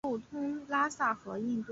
有公路通拉萨和印度。